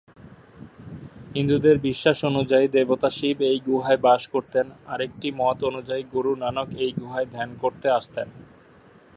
হিন্দুদের বিশ্বাস অনুযায়ী দেবতা শিব এই গুহায় বাস করতেন, আরেকটি মত অনুযায়ী গুরু নানক এই গুহায় ধ্যান করতে আসতেন।